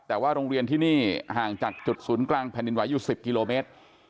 แต่ว่าโรงเรียนที่นี่ห่างจากจุดศูนย์กลางแผ่นดินไหวอยู่๑๐กิโลเมตร